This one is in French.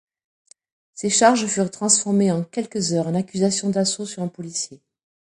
Ces charges furent transformées en quelques heures en accusation d'assaut sur un policier.